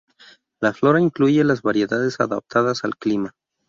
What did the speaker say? La flora incluye las variedades adaptadas al clima.